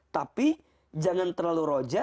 tapi jangan terlalu roja